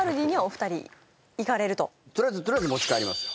二人とりあえずとりあえず持ち帰りますよ